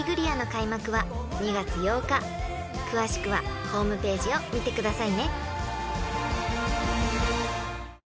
［詳しくはホームページを見てくださいね］